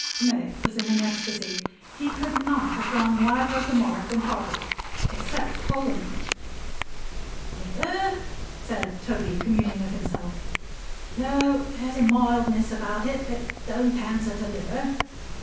Meg was in ecstasy. He could not have gone wider of the mark than Trotters except Polonies. "Liver?" said Toby, communing with himself. "No. There's a mildness about it that don't answer to liver.